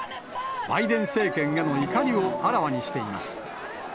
バイデン政権への怒りをあらわにしています。